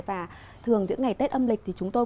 và thường những ngày tết âm lịch thì chúng tôi